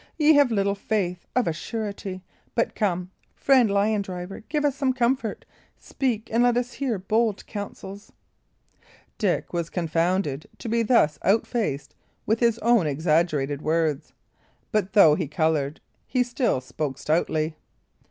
Ye have little faith, of a surety. But come, friend lion driver, give us some comfort; speak, and let us hear bold counsels." Dick was confounded to be thus outfaced with his own exaggerated words; but though he coloured, he still spoke stoutly.